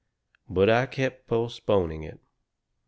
But I kept postponing it.